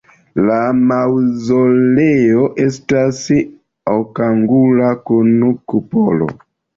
La maŭzoleo estas okangula kun kupolo.